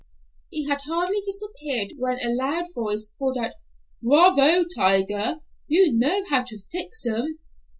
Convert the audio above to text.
He had hardly disappeared when a loud voice called out, "Bravo, Tiger! You know how to fix 'em."